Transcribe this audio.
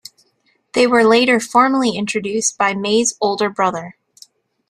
They were later formally introduced by May's older brother.